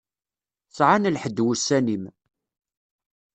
Sɛan lḥedd wussan-im.